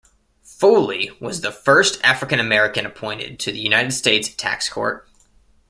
Foley was the first African-American appointed to the United States Tax Court.